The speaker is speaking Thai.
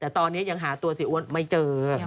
แต่ตอนนี้ยังหาตัวเสียอ้วนไม่เจอ